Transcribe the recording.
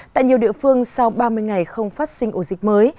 tại nhiều địa phương sau ba mươi ngày không phát sinh ổ dịch mới